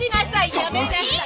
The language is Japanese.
やめなさい！